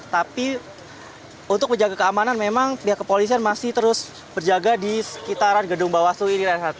tapi untuk menjaga keamanan memang pihak kepolisian masih terus berjaga di sekitaran gedung bawaslu ini renhard